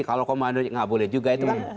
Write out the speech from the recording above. kalau komando tidak boleh juga